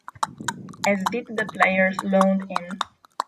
As did the players loaned in.